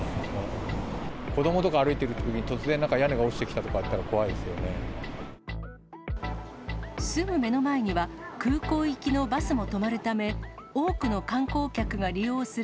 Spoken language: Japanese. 子どもとか歩いているときに、突然、屋根が落ちてきたとかあっすぐ目の前には、空港行きのバスも止まるため、多くの観光客が利用する